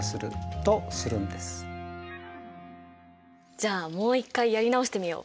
じゃあもう一回やり直してみよう。